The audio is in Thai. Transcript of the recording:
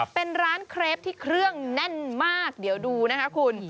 เป็นร้านเครปที่เครื่องแน่นมากเดี๋ยวดูนะคะคุณ